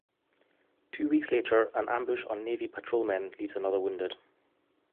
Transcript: Two weeks later an ambush on Navy patrolmen leaves another wounded.